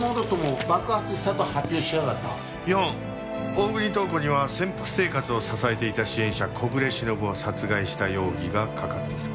大國塔子には潜伏生活を支えていた支援者小暮しのぶを殺害した容疑がかかっている。